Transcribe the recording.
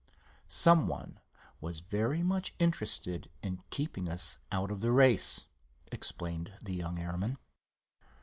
"Someone was very much interested in keeping us out of the race," explained the young airman.